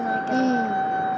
うん。